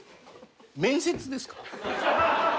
面接ですか？